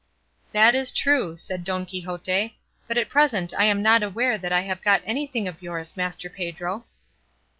"That is true," said Don Quixote; "but at present I am not aware that I have got anything of yours, Master Pedro."